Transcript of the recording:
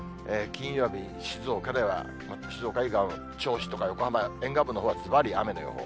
金曜日、静岡では、静岡以外では、銚子とか横浜、沿岸部のほうはずばり雨の予報。